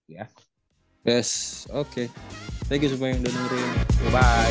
yes oke thank you semua yang udah nonton bye